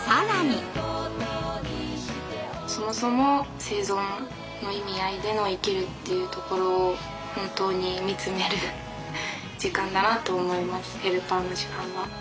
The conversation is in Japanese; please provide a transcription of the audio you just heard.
そもそも生存の意味合いでの生きるっていうところを本当に見つめる時間だなと思います。